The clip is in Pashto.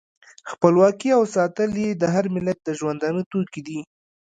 خپلواکي او ساتل یې د هر ملت د ژوندانه توکی دی.